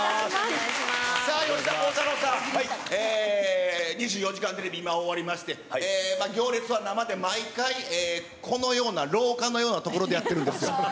さあ、吉田鋼太郎さん、２４時間テレビ、今、終わりまして、行列は生で毎回、このような廊下のような所でやってるんですよ。